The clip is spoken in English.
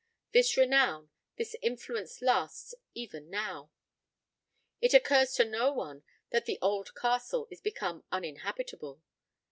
This renown, this influence lasts even now: it occurs to no one that the old castle is become uninhabitable.